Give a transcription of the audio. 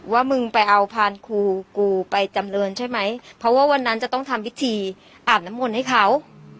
ว่ามึงไปเอาพานครูกูไปจำเรินใช่ไหมเพราะว่าวันนั้นจะต้องทำพิธีอาบน้ำมนต์ให้เขา